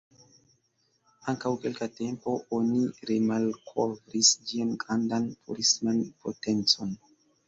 Antaŭ kelka tempo oni remalkovris ĝian grandan turisman potencon.